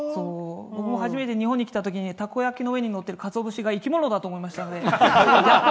僕も初めて日本に来たときにたこ焼きにのっているカツオ節が生き物だと思いましたので。